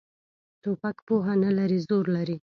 توپک پوهه نه لري، زور لري.